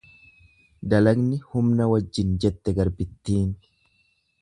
Dalagni humna wajjin jette garbittiin.